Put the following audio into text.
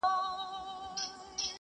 تعليم شوې نجونې شخړې مخنيوی کوي.